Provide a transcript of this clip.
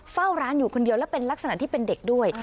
เฝ้าร้านอยู่คนเดียวและเป็นลักษณะที่เป็นเด็กด้วย